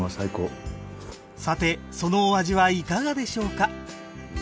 さてそのお味はいかがでしょうか？